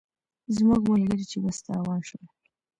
زموږ ملګري چې بس ته روان شول.